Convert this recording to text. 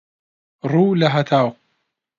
ڕوو لە هەتاو